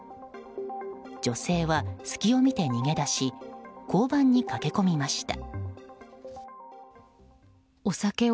女性は隙を見て逃げ出し交番に駆け込みました。